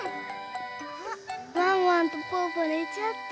あっワンワンとぽぅぽねちゃってる。